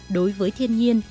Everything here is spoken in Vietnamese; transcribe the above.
đối với thiên nhiên